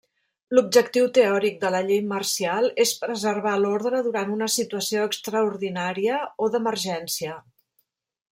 L'objectiu teòric de la llei marcial és preservar l'ordre durant una situació extraordinària o d'emergència.